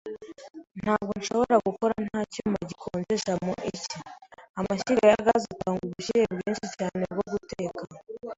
Ntabwo nshobora gukora nta cyuma gikonjesha mu cyi. Amashyiga ya gaz atanga ubushyuhe bwinshi cyane bwo guteka.